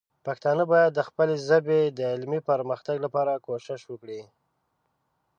پښتانه باید د خپلې ژبې د علمي پرمختګ لپاره کوښښ وکړي.